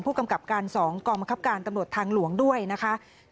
กำกับการ๒กองบังคับการตำรวจทางหลวงด้วยนะคะ